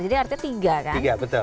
jadi artinya tiga kan